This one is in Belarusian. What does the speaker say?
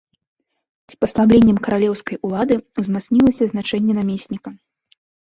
З паслабленнем каралеўскай улады, узмацнілася значэнне намесніка.